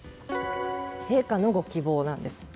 陛下のご希望なんです。